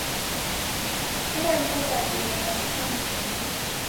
Sigha nikukabie ngavika mzinyi